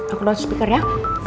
aku lewat speaker ya